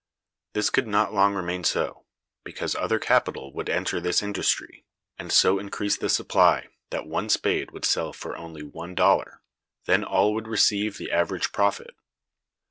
This could not long remain so, because other capital would enter this industry, and so increase the supply that one spade would sell for only one dollar; then all would receive the average profit.